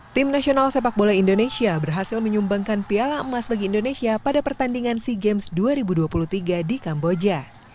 tim nasional sepak bola indonesia berhasil menyumbangkan piala emas bagi indonesia pada pertandingan sea games dua ribu dua puluh tiga di kamboja